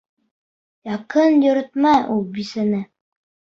Яҡын йөрөтмә ул бисәне.